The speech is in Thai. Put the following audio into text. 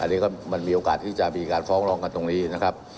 อันนี้ก็มันมีโอกาสที่จะมีการฟ้องร้องกันตรงนี้นะครับ